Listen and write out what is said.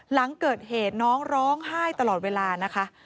หลังเกิดเหตุน้องร้องไห้ตลอดเวลานะคะ